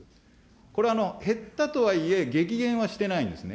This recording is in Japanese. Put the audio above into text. これ、減ったとはいえ、激減はしてないんですね。